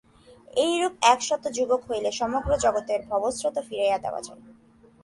এইরূপ একশত যুবক হইলে সমগ্র জগতের ভাবস্রোত ফিরাইয়া দেওয়া যায়।